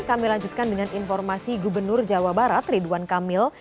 kami lanjutkan dengan informasi gubernur jawa barat ridwan kamil